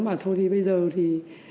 và thôi thì bây giờ thì